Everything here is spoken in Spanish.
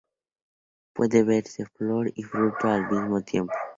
Puede verse flor y fruto al mismo tiempo